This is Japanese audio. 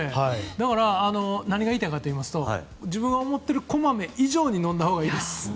だから、何が言いたいかというと自分が思っている、こまめ以上に飲んだほうがいいです。